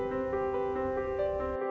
justru ternyata gitu